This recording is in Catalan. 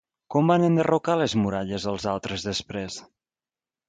Com van enderrocar les muralles els altres després?